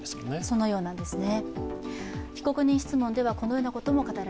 そのようなんですね。